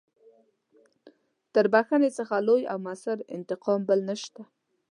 تر بخښنې څخه لوی او مؤثر انتقام بل نشته.